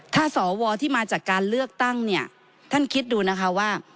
ถ้าสวที่มาจากการเลือกตั้งเนี่ยท่านคิดดูนะคะว่า